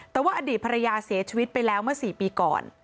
แต่ว่าอดีตภรรยาเสียชีวิตไปแล้วเมื่อ๔ปีก่อน